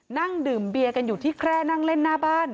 นั่งดื่มเบียร์กันอยู่ที่แคร่นั่งเล่นหน้าบ้าน